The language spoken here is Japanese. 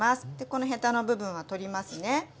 このヘタの部分は取りますね。